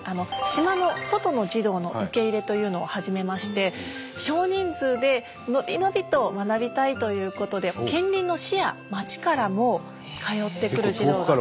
島の外の児童の受け入れというのを始めまして少人数でのびのびと学びたいということで近隣の市や町からも通ってくる児童が。